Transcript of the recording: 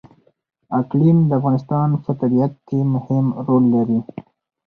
اقلیم د افغانستان په طبیعت کې مهم رول لري.